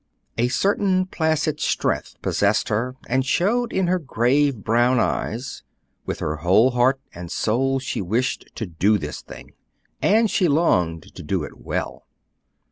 A certain placid strength possessed her and showed in her grave brown eyes; with her whole heart and soul she wished to do this thing, and she longed to do it well.